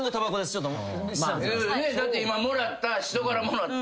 だって今もらった人からもらった。